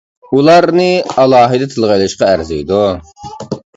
ئۇلارنى ئالاھىدە تىلغا ئېلىشقا ئەرزىيدۇ.